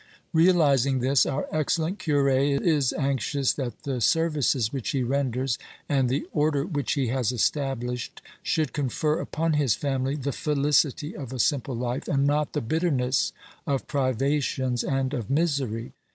Realising this, our excellent cure is anxious that the services which he renders, and the order which he has established, should confer upon his family the felicity of a simple life, and not the bitterness of privations and of misery.